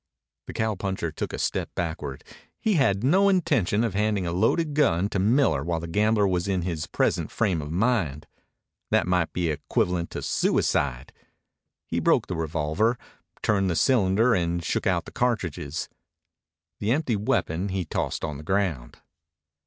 The cowpuncher took a step backward. He had no intention of handing a loaded gun to Miller while the gambler was in his present frame of mind. That might be equivalent to suicide. He broke the revolver, turned the cylinder, and shook out the cartridges. The empty weapon he tossed on the ground.